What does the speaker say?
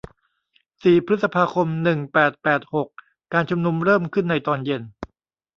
สี่พฤษภาคม หนึ่งแปดแปดหก การชุมนุมเริ่มขึ้นในตอนเย็น